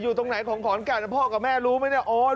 ตรงไหนของขอนแก่นพ่อกับแม่รู้ไหมเนี่ยโอน